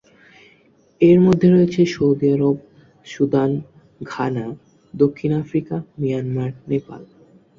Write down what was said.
এর মধ্যে রয়েছে সৌদি আরব, সুদান, ঘানা, দক্ষিণ আফ্রিকা, মিয়ানমার, নেপাল।